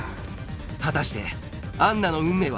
果たしてアンナの運命は？